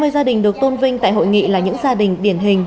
ba mươi gia đình được tôn vinh tại hội nghị là những gia đình điển hình